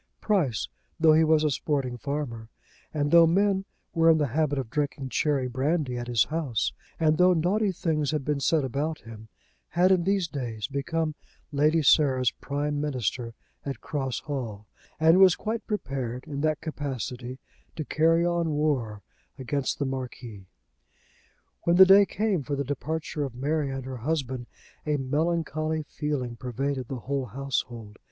Price, though he was a sporting farmer, and though men were in the habit of drinking cherry brandy at his house, and though naughty things had been said about him, had in these days become Lady Sarah's prime minister at Cross Hall, and was quite prepared in that capacity to carry on war against the Marquis. When the day came for the departure of Mary and her husband, a melancholy feeling pervaded the whole household.